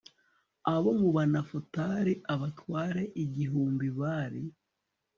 abo mu banafutali abatware igihumbi bari